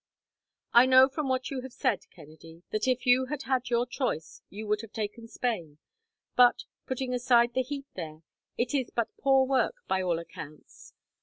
"I know from what you have said, Kennedy, that if you had had your choice you would have taken Spain, but, putting aside the heat there, it is but poor work, by all accounts.